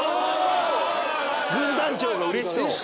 軍団長がうれしそう。